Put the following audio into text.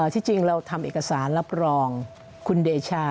ที่จริงเราทำเอกสารรับรองคุณเดชา